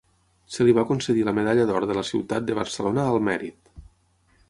Se li va concedir la medalla d'or de la ciutat de Barcelona al mèrit.